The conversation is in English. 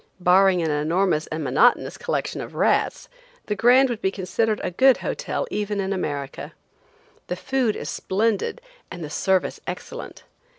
Barring an enormous and monotonous collection of rats, the Grand would be considered a good hotel even in America. The food is splendid and the service excellent.